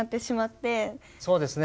そうですね。